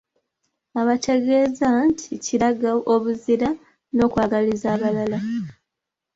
Abategeeza nti kiraga obuzira n'okwagaliza abalala.